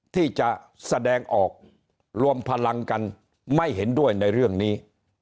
ที่จะแสดงออกรวมพลังกันไม่เห็นด้วยในเรื่องนี้